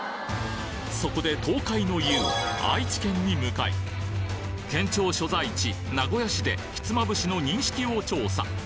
そこで東海の雄、愛知県に向かい、県庁所在地、名古屋市でひつまぶしの認識を調査。